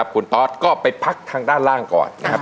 คุณตอสก็ไปพักทางด้านล่างก่อนนะครับ